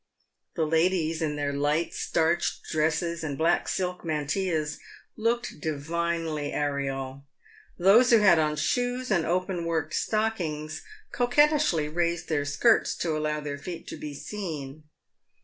The ladies, in their light starched dresses and black silk mantillas, looked divinely aerial. Those who had on shoes and open worked stockings, coquettishly raised their skirts to allow their feet to be seen.